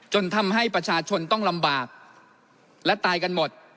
จนทำให้ประชาชนต้องลำบากและตายกันหมด